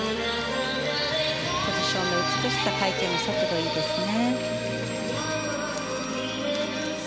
ポジションの美しさ、回転の速度いいですね。